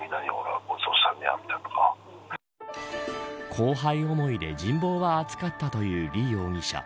後輩思いで人望は厚かったという李容疑者。